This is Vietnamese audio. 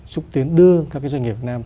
xúc tiến đưa các doanh nghiệp việt nam